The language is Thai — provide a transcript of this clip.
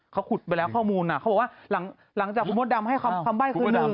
เขาขุดไปแล้วข้อมูลเขาบอกว่าหลังจากคุณมดดำให้คำใบ้คืนหนึ่ง